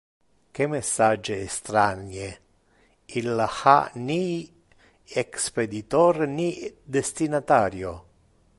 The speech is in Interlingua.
Que message estranie! Il ha ni expeditor ni destinatario.